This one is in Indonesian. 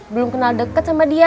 belum kenal dekat sama dia